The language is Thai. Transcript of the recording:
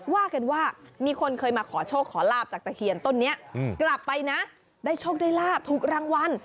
ว่ากันว่ามีคนเคยมาขอโชคขอลาบจากตะเคียนต้นนี้กลับไปนะได้โชคได้ลาบถูกรางวัล